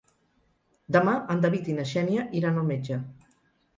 Demà en David i na Xènia iran al metge.